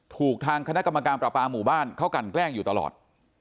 ถูกทางคณะกรรมการประปาหมู่บ้านเขากันแกล้งอยู่ตลอด